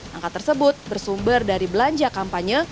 angka tersebut bersumber dari belanja kampanye